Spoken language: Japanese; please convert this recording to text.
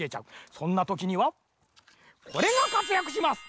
そんなときにはこれがかつやくします。